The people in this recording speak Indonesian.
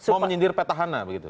mau menyindir peta hana begitu